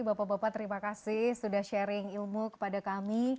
bapak bapak terima kasih sudah sharing ilmu kepada kami